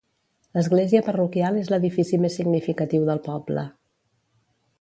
L'església parroquial és l'edifici més significatiu del poble.